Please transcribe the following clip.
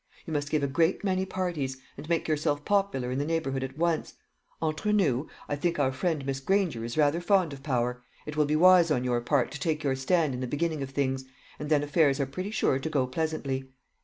You must give a great many parties, and make yourself popular in the neighbourhood at once. Entre nous, I think our friend Miss Granger is rather fond of power. It will be wise on your part to take your stand in the beginning of things, and then affairs are pretty sure to go pleasantly.